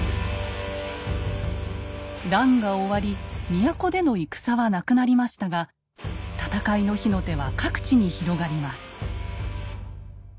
乱が終わり都での戦はなくなりましたが戦いの火の手は各地に広がります。